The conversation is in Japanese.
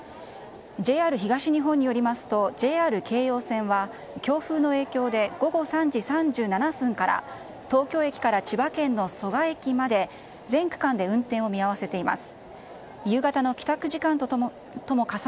ＪＲ東日本によりますとＪＲ京葉線は強風の影響で午後３時３７分から東京駅から千葉県の蘇我駅まで全区間で運転を見合わせています。